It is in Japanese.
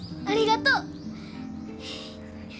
ありがとう！